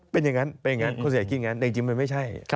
เป็นอย่างนั้นคนสุดยอดคิดอย่างนั้นแต่จริงมันไม่ใช่